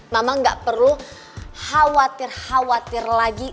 mama gak perlu khawatir khawatir lagi